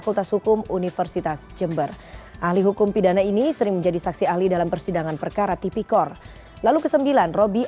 lalu kedelapan nurul gufron